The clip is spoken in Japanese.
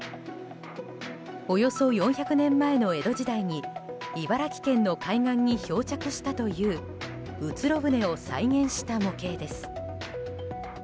およそ４００年前の江戸時代に茨城県の海岸に漂着したといううつろ舟を再現した模型です。